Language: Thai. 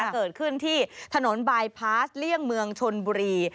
เกิดขึ้นที่ถนนบายพาสเลี่ยงเมืองชนบุรี